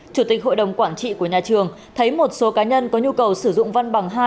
chủ tịch hội đồng quản trị của nhà trường thấy một số cá nhân có nhu cầu sử dụng văn bằng hai